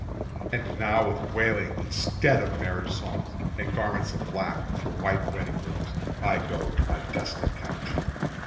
And now with wailing instead of marriage songs, and garments of black for white wedding robes, I go to my desolate couch."